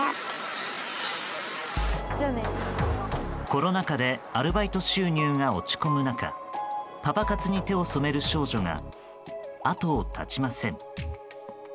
コロナ禍でアルバイト収入が落ち込む中パパ活に手を染める少女が後を絶ちません。